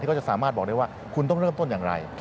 ก็จะสามารถบอกได้ว่าคุณต้องเริ่มต้นอย่างไร